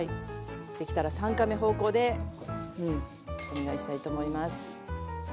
できたら３カメ方向でお願いしたいと思います。